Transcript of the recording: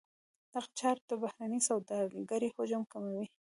دغه چاره د بهرنۍ سوداګرۍ حجم کموي.